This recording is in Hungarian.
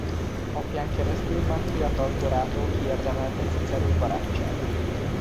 Apján keresztül már fiatal korától kiérdemelte Cicero barátságát.